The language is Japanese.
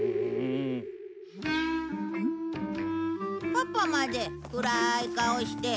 パパまで暗い顔して。